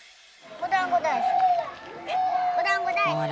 おだんご大好きだから！